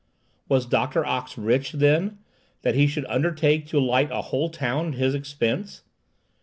Was Doctor Ox rich, then, that he should undertake to light a whole town at his expense?